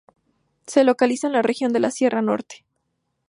Se localiza en la región de la sierra norte.